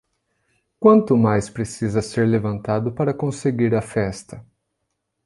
Quanto mais precisa ser levantado para conseguir a festa?